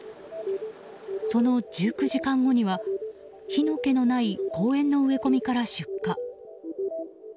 その１９時間後には火の気のない公園の植え込みから出火。